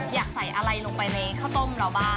อยากใส่อะไรลงไปในข้าวต้มเราบ้าง